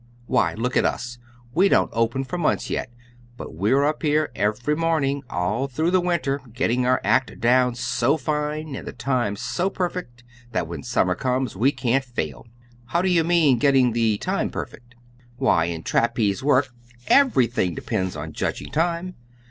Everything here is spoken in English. Why, look at us. We don't open for months yet, but we're up here every morning all through the winter getting our act down so fine, and the time so perfect, that when summer comes we can't fail." "How do you mean, getting the time perfect?" "Why, in trapeze work everything depends on judging time.